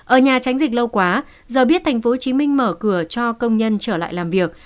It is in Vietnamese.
ở nhà tránh dịch lâu quá giờ biết tp hcm mở cửa cho công nhân trở lại làm việc